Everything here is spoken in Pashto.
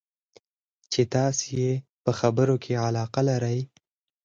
چې تاسې یې په خبرو کې علاقه لرئ.